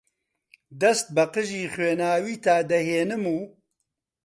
دەست بە قژی خوێناویتا دەهێنم و